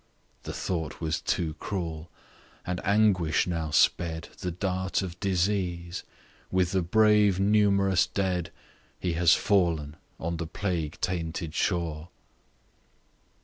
The thought was too cruel; and anguish now sped The dart of disease With the brave numerous dead He has fall'n on the plague tainted shore.